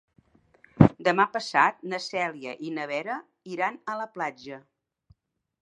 Demà passat na Cèlia i na Vera iran a la platja.